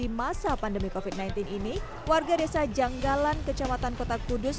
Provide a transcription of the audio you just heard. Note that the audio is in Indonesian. kemerdekaan republik indonesia di masa pandemi covid sembilan belas ini warga desa janggalan kecamatan kota kudus